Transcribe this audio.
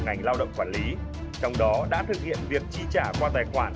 ngành lao động quản lý trong đó đã thực hiện việc chi trả qua tài khoản